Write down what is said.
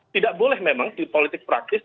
tidak boleh memang di politik praktis